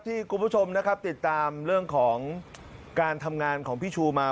คุณผู้ชมนะครับติดตามเรื่องของการทำงานของพี่ชูมา